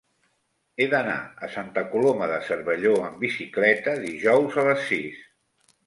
He d'anar a Santa Coloma de Cervelló amb bicicleta dijous a les sis.